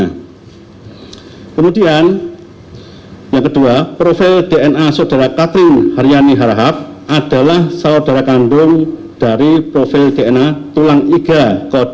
nah kemudian yang kedua profil dna saudara katrin aryani harhab adalah saudara kandung dari profil dna tulang iga kode enam puluh